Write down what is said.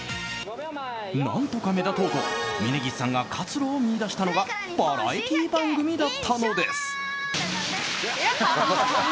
何とか目立とうと峯岸さんが活路を見いだしたのがバラエティー番組だったのです。